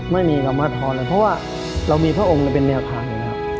ไม่มีคำว่าทรเลยเพราะว่าเรามีพระองค์เป็นแนวทางนะครับ